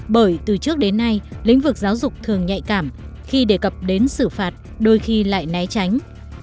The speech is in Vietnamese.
bởi từ trước đến nay lĩnh vực giáo dục thường nhạy cảm khi đề cập đến xử phạt đôi khi lại né tránh